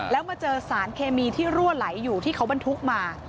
แล้วมาเจอสารเคมีที่รั่วไหลอยู่ที่เขาบรรทุกมา